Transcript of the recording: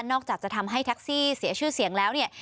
อกจากจะทำให้แท็กซี่เสียชื่อเสียงแล้วเนี่ย